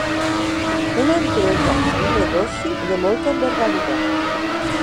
Una empresa, un negoci, de molta envergadura.